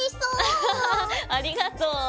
アハハハありがとう。